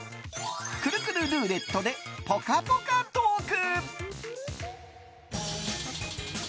くるくるルーレットでぽかぽかトーク。